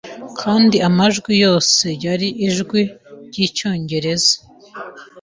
Kandi amajwi yose yari ijwi ryicyongereza